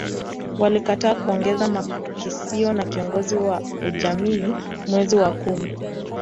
Walikataa kuongeza makisio na kiongozi wa ujamii mwezi wa kumi